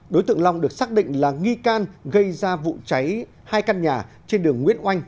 đối tượng long được xác định là nghi can gây ra vụ cháy hai căn nhà trên đường nguyễn oanh